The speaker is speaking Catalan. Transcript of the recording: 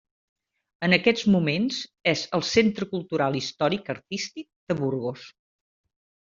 En aquests moments és el Centre Cultural Històric-Artístic de Burgos.